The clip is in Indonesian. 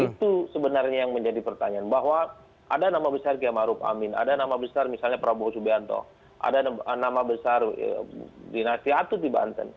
itu sebenarnya yang menjadi pertanyaan bahwa ada nama besar kiai maruf amin ada nama besar misalnya prabowo subianto ada nama besar dinasti atut di banten